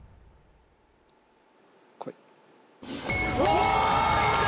お！